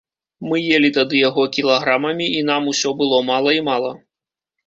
Мы елі тады яго кілаграмамі, і нам усё было мала і мала.